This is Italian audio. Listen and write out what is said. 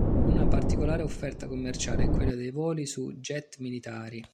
Una particolare offerta commerciale è quella dei voli su jet militari.